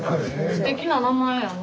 すてきな名前やな。